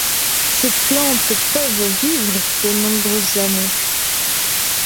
Ces plantes peuvent vivre de nombreuses années.